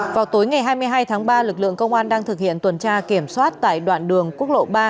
vào tối ngày hai mươi hai tháng ba lực lượng công an đang thực hiện tuần tra kiểm soát tại đoạn đường quốc lộ ba